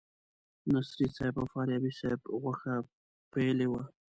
نظري صیب او فاریابي صیب غوښه پیلې وه.